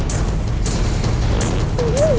jangan makan aku dagingku asin